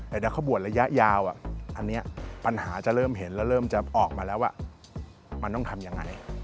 แต่ถ้าเขาบวชระยะยาวอันนี้ปัญหาจะเริ่มเห็นแล้วเริ่มจะออกมาแล้วว่ามันต้องทำยังไง